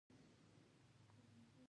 تنور د کلي د خواږه سهار برخه ده